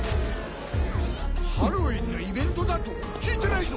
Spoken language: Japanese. ハロウィンのイベントだと⁉聞いてないぞ！